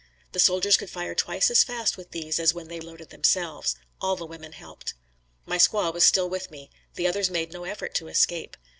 The soldiers could fire twice as fast with these as when they loaded themselves. All the women helped. My squaw was still with me. The others made no effort to escape.